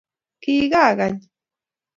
Kikakany